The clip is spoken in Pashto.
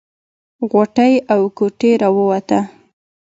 غوټۍ له کوټې راووته.